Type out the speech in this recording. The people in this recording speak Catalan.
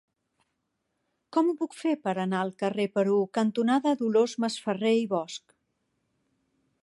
Com ho puc fer per anar al carrer Perú cantonada Dolors Masferrer i Bosch?